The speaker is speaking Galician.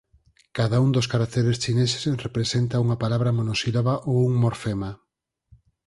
Cada un dos caracteres chineses representa unha palabra monosilábica ou un morfema.